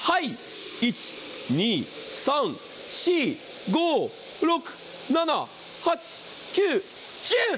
１、２、３、４、５、６、７１０！